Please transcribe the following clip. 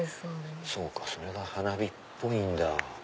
それが花火っぽいんだ。